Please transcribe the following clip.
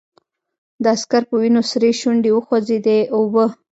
د عسکر په وينو سرې شونډې وخوځېدې: اوبه!